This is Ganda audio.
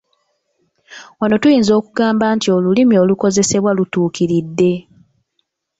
Wano tuyinza okugamba nti olulimi olukozesebwa lutuukiridde.